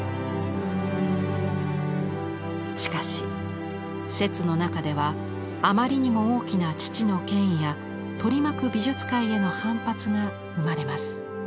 しかし摂の中ではあまりにも大きな父の権威や取り巻く美術界への反発が生まれます。